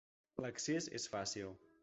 L'accés és fàcil.